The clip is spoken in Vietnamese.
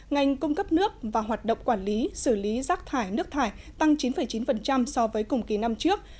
ngành cung cấp nước và hoạt động quản lý xử lý rác thải nước thải tăng chín chín so với cùng kỳ năm trước